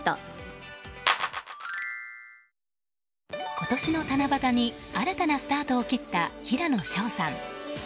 今年の七夕に新たなスタートを切った平野紫耀さん。